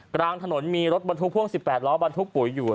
กลางถนนมีรถบรรทุกพ่วง๑๘ล้อบรรทุกปุ๋ยอยู่